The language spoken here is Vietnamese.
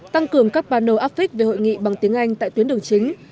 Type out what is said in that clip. tăng cường các bà nô áp phích về hội nghị bằng tiếng anh tại tuyến đường chính